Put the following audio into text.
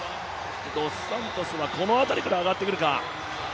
ドスサントスはこの辺りから上がってくるか。